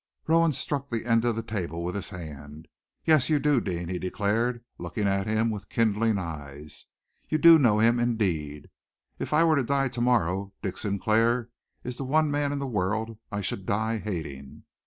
Rowan struck the end of the table with his hand. "Yes, you do, Deane!" he declared, looking at him with kindling eyes. "You do know him, indeed. If I were to die to morrow, Dick Sinclair is the one man in the world I should die hating.